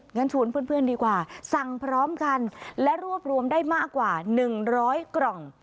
งั้นชูนเพื่อนเพื่อนดีกว่าสั่งพร้อมกันและรวบรวมได้มากกว่าหนึ่งร้อยกล่อง